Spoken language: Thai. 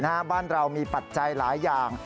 เพราะว่าบ้านเรามีปัจจัยหลายอย่าง